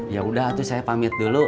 ya udah tuh saya pamit dulu